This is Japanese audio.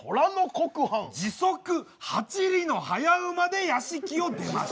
時速８里の早馬で屋敷を出ました。